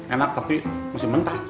enak tapi mesti mentah